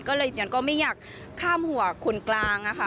ก็เลยเจียนก็ไม่อยากข้ามหัวคนกลางค่ะ